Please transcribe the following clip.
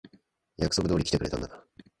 約束通り来てくれたんだな。